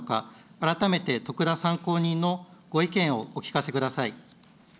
改めて徳田参考人のご意見をお聞かせください。